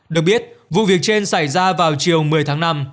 được biết vụ việc trên xảy ra vào chiều một mươi tháng năm